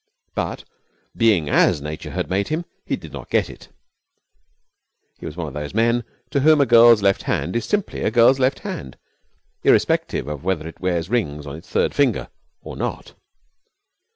But, being as Nature had made him, he did not get it. He was one of those men to whom a girl's left hand is simply a girl's left hand, irrespective of whether it wears rings on its third finger or not.